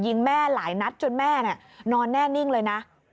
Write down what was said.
ยิงแม่หลายนัดจนแม่นอนแน่นิ่งเลยนะ